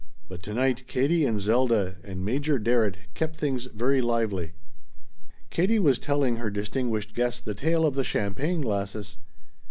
But to night Katie and Zelda and Major Darrett kept things very lively. Katie was telling her distinguished guest the tale of the champagne glasses.